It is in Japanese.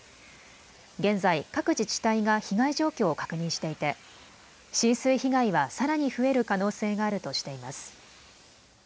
現在、各自治体が被害状況を確認していて浸水被害はさらに増える可能性があるとしています。